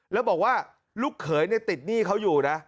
แล้วบอกว่าลูกเขยติดหนี้เขาอยู่นะ